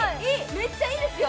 めっちゃいいですよ！